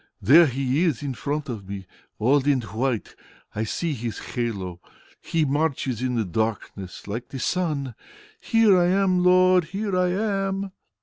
There He is in front of me, all in white. I see His halo. He marches in the darkness like the sun.... Here I am, Lord, here I am!"